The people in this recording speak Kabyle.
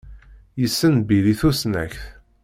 Yessen Bil i tusnakt.